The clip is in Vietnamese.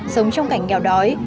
sống trong cảnh nghèo đói